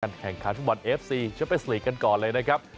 การแข่งขามฟิฟาวัลเอฟซีเจอไปสลีกกันก่อนเลยนะครับ